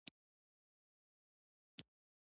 پر بنګال د ابدالي د یرغل آوازو وارخطایي پیدا کړه.